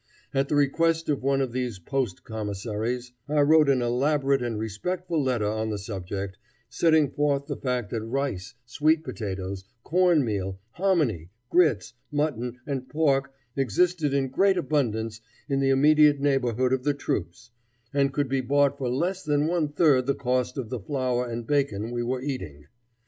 At the request of one of these post commissaries, I wrote an elaborate and respectful letter on the subject, setting forth the fact that rice, sweet potatoes, corn meal, hominy, grits, mutton, and pork existed in great abundance in the immediate neighborhood of the troops, and could be bought for less than one third the cost of the flour and bacon we were eating.